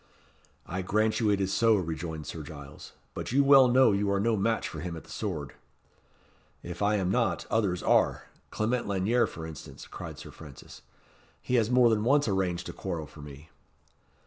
"I grant you it is so," rejoined Sir Giles; "but you well know you are no match for him at the sword." "If I am not, others are Clement Lanyere, for instance," cried Sir Francis. "He has more than once arranged a quarrel for me."